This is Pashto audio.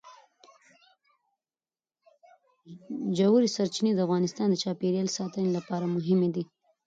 ژورې سرچینې د افغانستان د چاپیریال ساتنې لپاره مهمي دي.